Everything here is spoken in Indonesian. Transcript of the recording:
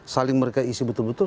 saling mereka isi betul betul